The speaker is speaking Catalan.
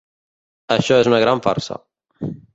Això és una gran farsa.